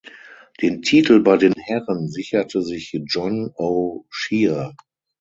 Den Titel bei den Herren sicherte sich John O’Shea.